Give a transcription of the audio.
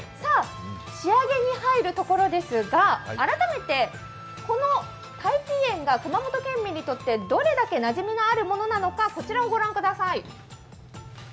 仕上げに入るところですが、改めて、この太平燕が熊本県民にとってどれだけなじみのあるものなのか、こちらを御覧ください。